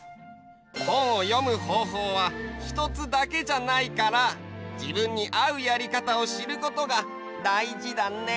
本を読むほうほうはひとつだけじゃないから自分にあうやり方を知ることがだいじだね！